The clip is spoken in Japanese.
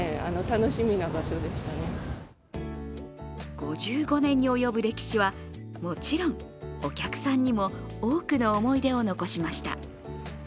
５５年に及ぶ歴史はもちろんお客さんにも多くの思い出を残しました。